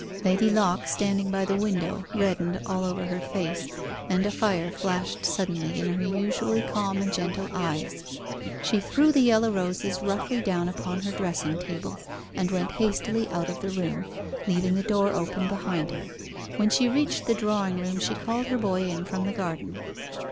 Lady Locke, standing by the window, reddened all over her face, and a fire flashed suddenly in her usually calm and gentle eyes. She threw the yellow roses roughly down upon her dressing table and went hastily out of the room, leaving the door open behind her. When she reached the drawing room she called her boy in from the garden.